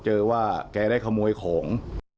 เจอว่าแกได้ขโมยของ